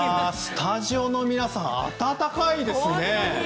スタジオの皆さん温かいですね！